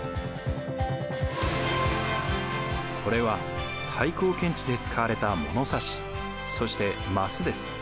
これは太閤検地で使われた物差しそして枡です。